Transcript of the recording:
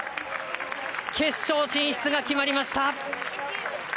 決勝進出が決まりました！